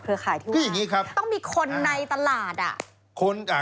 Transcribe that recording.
กับเครือข่ายที่ว่าต้องมีคนในตลาดน่ะคืออย่างนี้ครับ